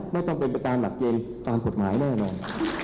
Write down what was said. ไม่ต้องเป็นประการหักเกงตามกฎหมายแน่นอน